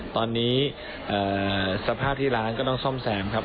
ตอนนี้สภาพที่ร้านก็ต้องซ่อมแซมครับ